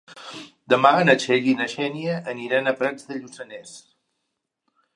Demà na Txell i na Xènia aniran a Prats de Lluçanès.